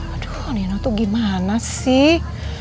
aduh nino tuh gimana sih